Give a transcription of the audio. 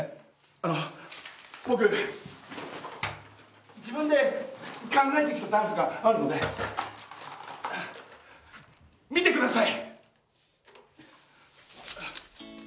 あの僕自分で考えてきたダンスがあるので見てください！